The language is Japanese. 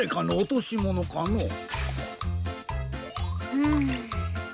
うん。